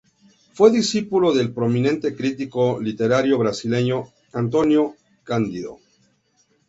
Fue discípulo del prominente crítico literario brasileño, António Cândido.